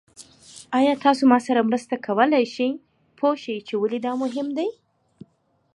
ایا تاسو ما سره مرسته کولی شئ پوه شئ چې ولې دا مهم دی؟